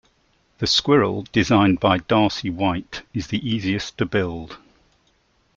The Squirrel, designed by Darcy Whyte is the easiest to build.